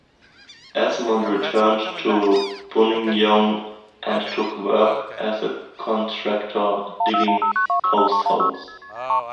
Esmond returned to Buninyong, and took work as a contractor digging post holes.